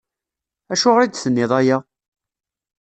Acuɣer i d-tenniḍ aya?